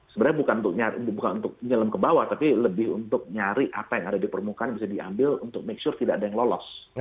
sebenarnya bukan untuk nyelem ke bawah tapi lebih untuk nyari apa yang ada di permukaan bisa diambil untuk make sure tidak ada yang lolos